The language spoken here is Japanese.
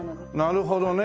なるほどね。